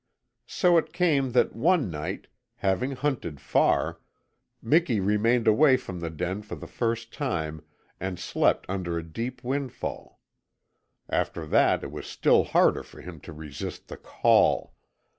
So it came that one night, having hunted far, Miki remained away from the den for the first time, and slept under a deep windfall. After that it was still harder for him to resist the CALL.